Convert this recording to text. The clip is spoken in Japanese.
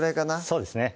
そうですね